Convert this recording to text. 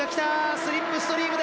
スリップストリームだ